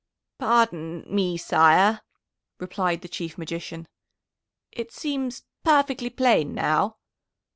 "Pardon me, sire," replied the Chief Magician; "it seems perfectly plain now.